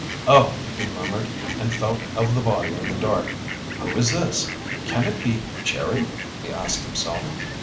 "Oh!" he murmured, and felt of the body in the dark, "Who is this? Can it be Jerry?" he asked himself.